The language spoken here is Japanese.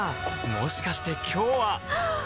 もしかして今日ははっ！